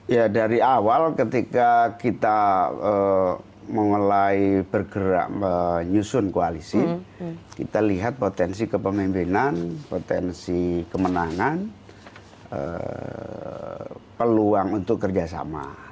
ya dari awal ketika kita mulai bergerak menyusun koalisi kita lihat potensi kepemimpinan potensi kemenangan peluang untuk kerjasama